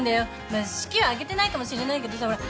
まあ式は挙げてないかもしれないけどさほら。